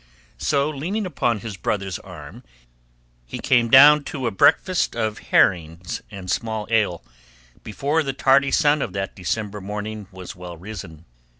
So leaning upon his brother's arm he came down to a breakfast of herrings and small ale before the tardy sun of that December morning was well risen.